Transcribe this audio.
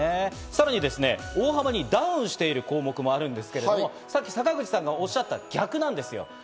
さらに大幅にダウンしている項目もあるんですけど、さっき坂口さんがおっしゃった逆なんですよ。